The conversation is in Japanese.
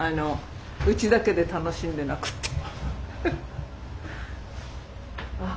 うちだけで楽しんでなくて。